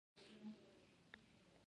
د سند درې تمدن ناڅاپه له منځه لاړ.